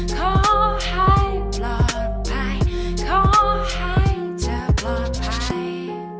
ขอให้ปลอดภัยขอให้เธอปลอดภัย